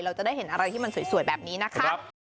เราจะได้เห็นอะไรที่มันสวยแบบนี้นะคะ